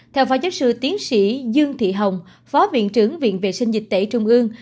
theo phó giám sư tiến sĩ dương thị hồng phó viện trưởng viện vệ sinh dịch tẩy trung ương